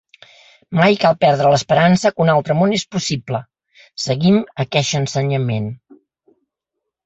Mai cal perdre l’esperança que un altre món és possible, seguim aqueix ensenyament.